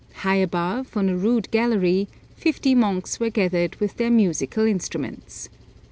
High above, on a rude gallery, fifty monks were gathered with their musical instruments.